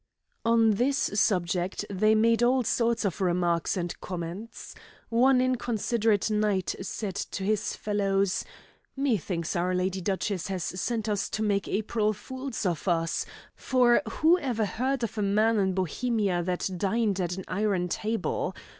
On this subject they made all sorts of remarks and comments. One inconsiderate knight said to his fellows: "Methinks our lady duchess has sent us to make April fools of us, for who ever heard of a man in Bohemia that dined at an iron table.